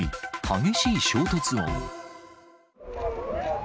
激しい衝突音。